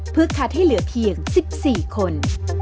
เพื่อคัดให้เหลือเพียง๑๔คน